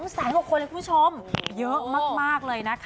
แสนกว่าคนเลยคุณผู้ชมเยอะมากเลยนะคะ